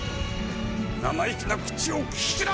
「生意気な口を利くな！」